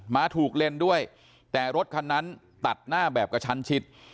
มาถูกเลนด้วยแต่รถคันนั้นตัดหน้าแบบกระชั้นชิด